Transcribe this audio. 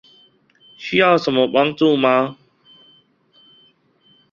需要什麼幫助嗎？